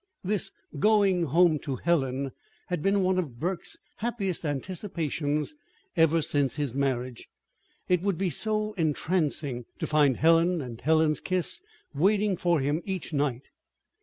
This "going home to Helen" had been one of Burke's happiest anticipations ever since his marriage. It would be so entrancing to find Helen and Helen's kiss waiting for him each night!